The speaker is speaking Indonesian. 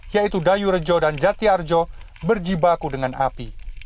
yaitu dayu rejo dan jati arjo berjibaku dengan api